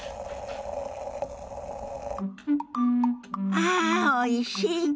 ああおいし。